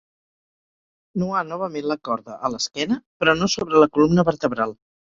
Nuar novament la corda a l'esquena, però no sobre la columna vertebral.